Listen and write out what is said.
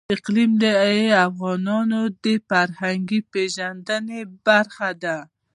اقلیم د افغانانو د فرهنګي پیژندنې برخه ده.